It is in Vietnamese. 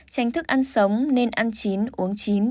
tránh thức ăn sống nên ăn chín uống chín